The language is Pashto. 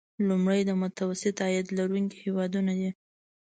لومړی د متوسط عاید لرونکي هیوادونه دي.